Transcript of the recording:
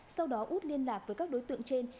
sau đó út liên lạc với các đối tượng trên